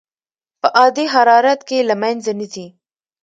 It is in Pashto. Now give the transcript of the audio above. په عادي حرارت کې له منځه نه ځي.